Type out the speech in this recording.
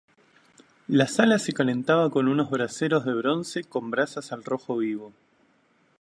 La sala se calentaba con unos braseros de bronce con brasas al rojo vivo.